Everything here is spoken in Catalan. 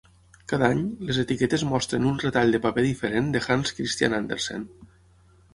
Cada any, les etiquetes mostren un retall de paper diferent de Hans Christian Andersen.